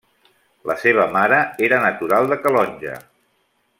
La seva mare era natural de Calonge.